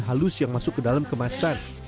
agar hanya begin halus yang masuk ke dalam kemasan